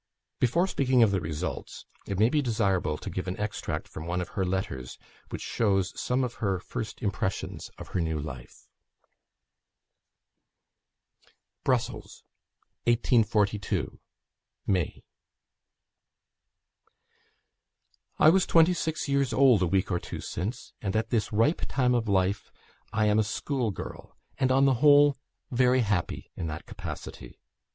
Before speaking of the results, it may be desirable to give an extract from one of her letters, which shows some of her first impressions of her new life. "Brussels, 1842 (May?). "I was twenty six years old a week or two since; and at this ripe time of life I am a school girl, and, on the whole, very happy in that capacity.